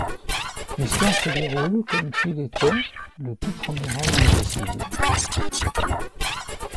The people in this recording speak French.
L'histoire se déroule comme s'il était le tout premier homme invisible.